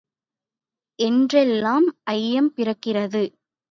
என்றெல்லாம் ஐயம் பிறக்கிறது.